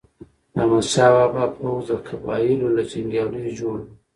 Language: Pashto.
د احمد شاه بابا پوځ د قبایلو له جنګیالیو جوړ و.